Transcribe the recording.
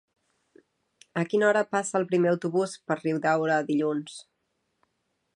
A quina hora passa el primer autobús per Riudaura dilluns?